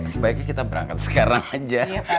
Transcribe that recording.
sebaiknya kita berangkat sekarang aja